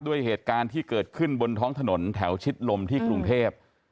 เหตุการณ์ที่เกิดขึ้นบนท้องถนนแถวชิดลมที่กรุงเทพ